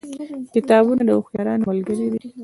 کتابونه د هوښیارانو ملګري دي.